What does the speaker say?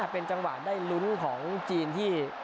เป็นจังหวะได้ลุ้นของจีนที่